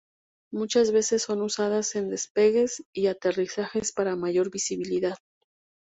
Muchas veces son usadas en despegues y aterrizajes para mayor visibilidad.